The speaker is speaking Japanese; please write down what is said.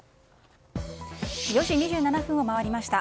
４時２７分を回りました。